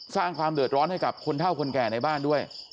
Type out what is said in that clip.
สร้างความเดือดร้อนให้กับคนเท่าคนแก่ในบ้านด้วย